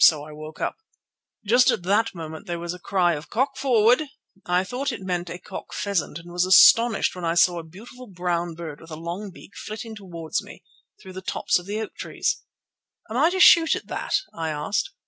So I woke up. Just at that moment there was a cry of "cock forward." I thought it meant a cock pheasant, and was astonished when I saw a beautiful brown bird with a long beak flitting towards me through the tops of the oak trees. "Am I to shoot at that?" I asked.